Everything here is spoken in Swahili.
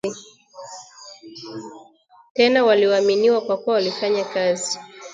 Tena walioaminiwa kwa kuwa walifanya kazi